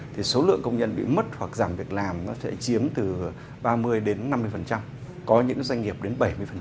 thì số lượng công nhân bị mất hoặc giảm việc làm nó sẽ chiếm từ ba mươi đến năm mươi có những doanh nghiệp đến bảy mươi